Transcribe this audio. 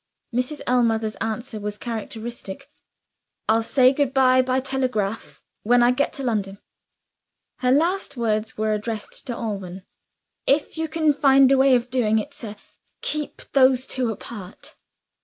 Mrs. Ellmother's answer was characteristic. "I'll say good by by telegraph, when I get to London." Her last words were addressed to Alban. "If you can find a way of doing it, sir, keep those two apart."